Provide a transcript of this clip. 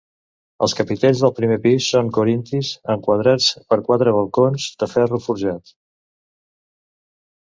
Els capitells del primer pis són corintis, enquadrats per quatre balcons de ferro forjat.